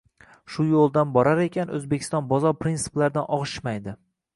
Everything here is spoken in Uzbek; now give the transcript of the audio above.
Bu yo‘ldan borar ekan, O‘zbekiston bozor prinsiplaridan og‘ishmaydi.